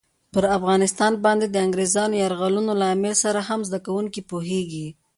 پر افغانستان باندې د انګریزانو یرغلونو لاملونو سره هم زده کوونکي پوهېږي.